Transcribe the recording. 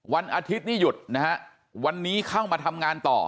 วันอาทิตย์นี่หยุดนะฮะวันนี้เข้ามาทำงานต่อ